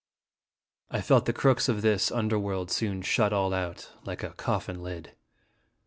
I felt the crooks of this under world soon shut all out, like a coffin lid.